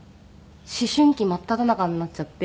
思春期真っただ中になっちゃって。